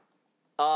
ああ。